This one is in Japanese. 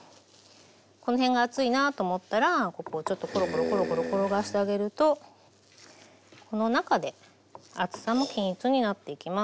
この辺が厚いなと思ったらここをちょっとコロコロコロコロ転がしてあげるとこの中で厚さも均一になっていきます。